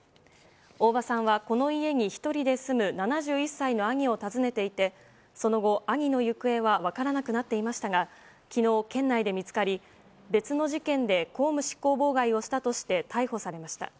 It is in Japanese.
大場さんはこの家に１人で住む７１歳の兄を訪ねていてその後、兄の行方は分からなくなっていましたが昨日、県内で見つかり別の事件で公務執行妨害をしたとして逮捕されました。